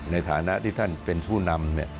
ในฐานะที่ท่านเป็นผู้นำ